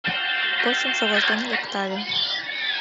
Почым шогалтен лектале.